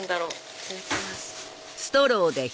いただきます。